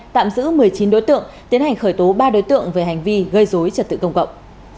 tạm giữ một mươi chín đối tượng tiến hành khởi tố ba đối tượng về hành vi gây dối trật tự công cộng